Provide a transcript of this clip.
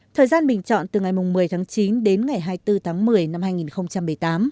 thời gian bình chọn từ ngày một mươi tháng chín đến ngày hai mươi bốn tháng một mươi năm hai nghìn một mươi tám